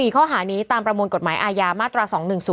๔ข้อหานี้ตามประมวลกฎหมายอายามาตรา๒๑๐๒๑๓๒๗๘๒๘๔๓๑๐